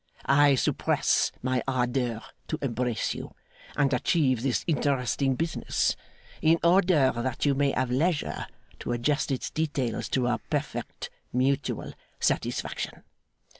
'I suppress my ardour to embrace you and achieve this interesting business, in order that you may have leisure to adjust its details to our perfect mutual satisfaction.